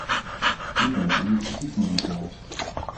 U bent de initiatiefnemer geweest.